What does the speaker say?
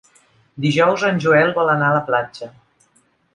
Dijous en Joel vol anar a la platja.